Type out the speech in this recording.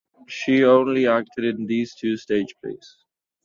She only acted in these two stage plays.